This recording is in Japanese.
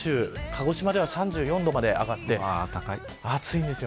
鹿児島では３４度まで上がって暑いです。